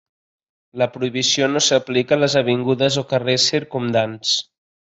La prohibició no s'aplica a les avingudes o carrers circumdants.